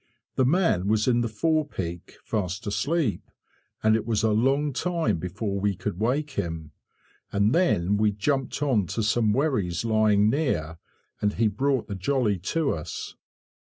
The man was in the forepeak fast asleep, and it was a long time before we could wake him, and then we jumped on to some wherries lying near, and he brought the jolly to us.